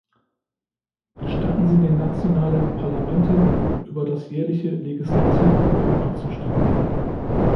Gestatten Sie den nationalen Parlamenten, über das jährliche Legislativprogramm abzustimmen.